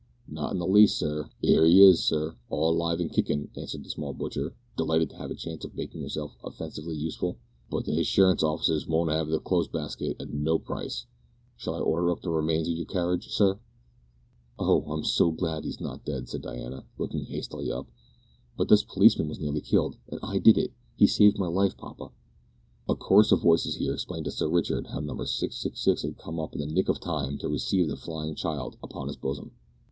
"Not in the least, sir. 'Ere 'e is, sir; all alive an' kickin'," answered the small butcher, delighted to have the chance of making himself offensively useful, "but the hinsurance offices wouldn't 'ave the clo'se baskit at no price. Shall I order up the remains of your carriage, sir?" "Oh! I'm so glad he's not dead," said Diana, looking hastily up, "but this policeman was nearly killed, and I did it! He saved my life, papa." A chorus of voices here explained to Sir Richard how Number 666 had come up in the nick of time to receive the flying child upon his bosom.